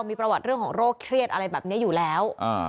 มีประวัติเรื่องของโรคเครียดอะไรแบบนี้อยู่แล้ว